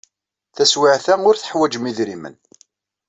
Taswiɛt-a, ur teḥwajem idrimen.